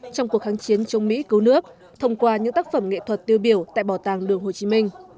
trong cuộc kháng chiến chống mỹ cứu nước thông qua những tác phẩm nghệ thuật tiêu biểu tại bảo tàng đường hồ chí minh